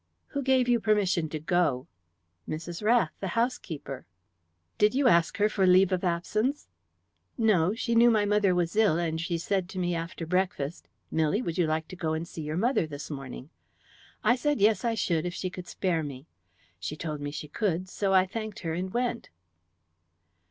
"Who gave you permission to go?" "Mrs. Rath, the housekeeper." "Did you ask her for leave of absence?" "No. She knew my mother was ill, and she said to me after breakfast, 'Milly, would you like to go and see your mother this morning?' I said, yes, I should, if she could spare me. She told me she could, so I thanked her and went."